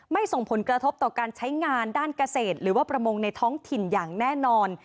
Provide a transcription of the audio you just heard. ส่งผลกระทบต่อการใช้งานด้านเกษตรหรือว่าประมงในท้องถิ่นอย่างแน่นอน